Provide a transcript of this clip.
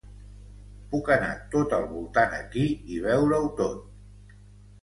Puc anar tot al voltant aquí i veure-ho tot.